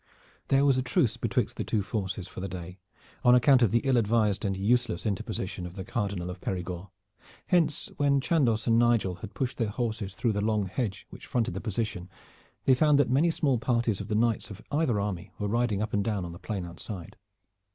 There was a truce betwixt the two forces for the day, on account of the ill advised and useless interposition of the Cardinal of Perigord, Hence when Chandos and Nigel had pushed their horses through the long hedge which fronted the position they found that many small parties of the knights of either army were riding up and down on the plain outside.